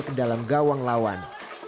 ke dalam gawang lawan